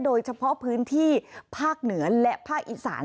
โดยเฉพาะพื้นที่ภาคเหนือและภาคอีสาน